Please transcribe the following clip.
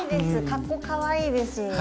かっこかわいいです。